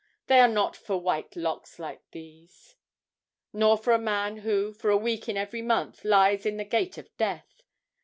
They are not for white locks like these, nor for a man who, for a week in every month, lies in the gate of death.